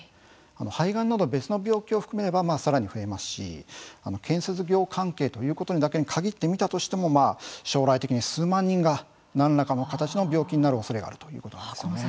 肺がんなど別の病気を含めればさらに増えますし建設業関係ということだけに限って見たとしても将来的に数万人が何らかの形の病気になるおそれがあるということなんですよね。